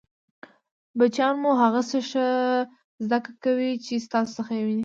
بچیان مو هغه څه ښه زده کوي چې ستاسو څخه يې ویني!